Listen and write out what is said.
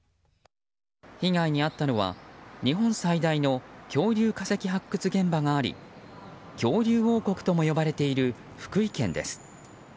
被害に遭ったのは日本最大の恐竜化石発掘現場があり恐竜王国とも呼ばれている福井県です。